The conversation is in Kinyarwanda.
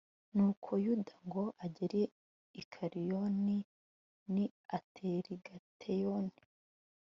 nuko yuda ngo agere i kariniyoni n'i aterigateyoni